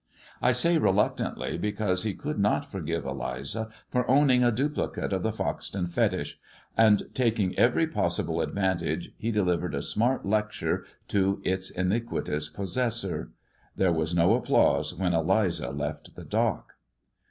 I say reli cause he could not forgive Eliza for owning a d the Foxton fetich, and, taking every possible ad' delivered a smart lecture to its iniquitous possessoci' was no applause when Eliza left the dock.